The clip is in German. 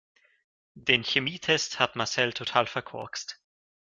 Den Chemietest hat Marcel total verkorkst.